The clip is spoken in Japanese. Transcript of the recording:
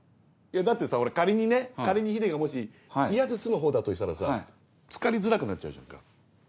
だってさ仮にね仮にヒデがもし嫌ですのほうだとしたらさつかりづらくなっちゃうじゃんか。